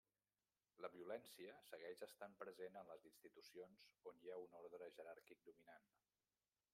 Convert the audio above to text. La violència segueix estant present en les institucions on hi ha un ordre jeràrquic dominant.